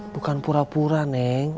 bukan pura pura neng